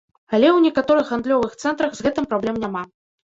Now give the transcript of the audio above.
Але ў некаторых гандлёвых цэнтрах з гэтым праблем няма.